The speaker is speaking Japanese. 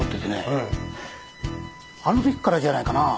あの時からじゃないかな？